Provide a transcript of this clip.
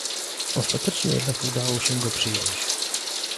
Ostatecznie jednak udało się go przyjąć